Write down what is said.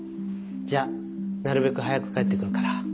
じゃあなるべく早く帰ってくるから。